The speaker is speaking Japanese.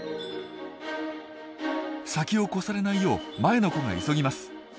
先を越されないよう前の子が急ぎます。